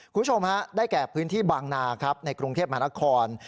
คุณผู้ชมฮะได้แก่พื้นที่บางนาครับในกรุงเทพมหานคร